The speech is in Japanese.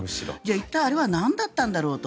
一体あれは何だったんだろうと。